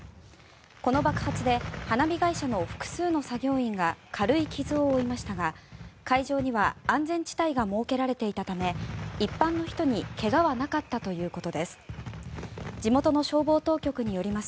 この爆発で花火会社の複数の作業員が軽い傷を負いましたが会場には安全地帯が設けられていたため一般の人に怪我はなかったということです。